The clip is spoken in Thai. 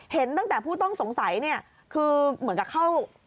เห็นตั้งแต่ผู้ต้องสงสัยเนี่ยคือเหมือนกับเข้า